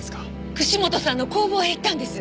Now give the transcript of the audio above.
串本さんの工房へ行ったんです。